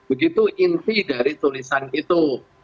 begitu inti dari tulisan itu